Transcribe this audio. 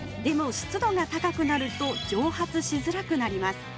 湿度が高くなると蒸発しづらくなります。